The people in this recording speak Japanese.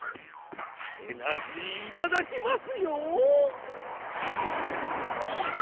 エナジーいただきますよ！にげろ！